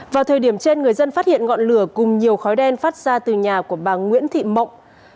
vào thời điểm trên người dân phát hiện ngọn lửa cùng nhiều khói đen phát ra từ nhà của bà nguyễn thị mộng